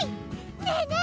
ねえねえ